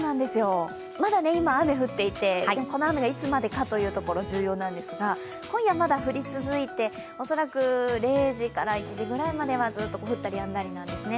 まだ今、雨降っていて、この雨がいつまでかというところ重要なんですが、今夜まだ降り続いて恐らく０時から１時ぐらいまではずっと降ったりやんだりなんですね。